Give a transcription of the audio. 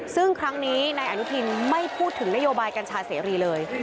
ซึ่งครั้งนี้นายอนุทินไม่พูดถึงนโยบายกัญชาเสรีเลย